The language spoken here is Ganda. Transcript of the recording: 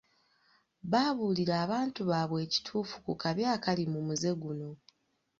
Babuulira abantu baabwe ekituufu ku kabi akali mu muze guno.